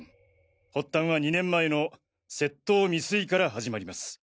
発端は２年前の窃盗未遂から始まります。